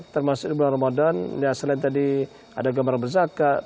termasuk di bulan ramadan ya selain tadi ada gambar berzakat